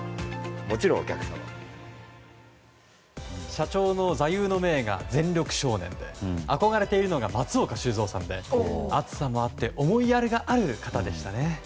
社長の座右の銘が全力少年で憧れているのが松岡修造さんで熱さもあって思いやりがある方でしたね。